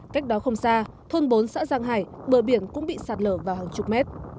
cách đó không xa thôn bốn xã giang hải bờ biển cũng bị sạt lở vào hàng chục mét